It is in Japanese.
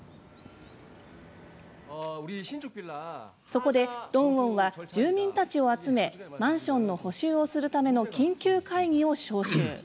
そこでドンウォンは住民たちを集めマンションの補修をするための緊急会議を招集。